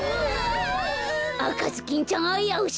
あかずきんちゃんあやうし。